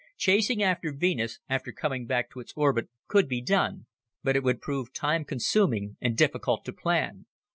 Chasing after Venus, after coming back to its orbit, could be done, but it would prove time consuming and difficult to plan.